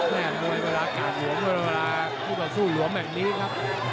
มวยเวลากาดหลวมเวลาคู่ต่อสู้หลวมแบบนี้ครับ